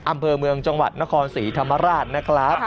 อำเภอเมืองจังหวัดนครศรีธรรมราชนะครับ